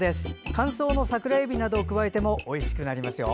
乾燥の桜えびなどを加えてもおいしくなりますよ。